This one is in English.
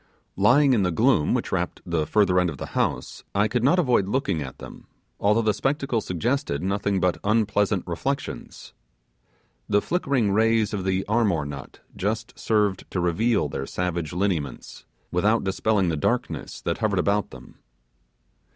Lying in the gloom which wrapped the further end of the house, I could not avoid looking at them, although the spectacle suggested nothing but unpleasant reflection. The flickering rays of the 'armor' nut just served to reveal their savage lineaments, without dispelling the darkness that hovered about them.